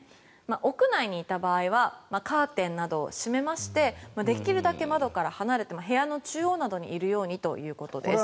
屋内にいた場合はカーテンなどを閉めましてできるだけ窓から離れて部屋の中央などにいるようにということです。